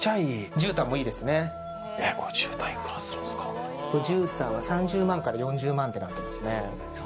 じゅうたんは３０万から４０万ってなってますね。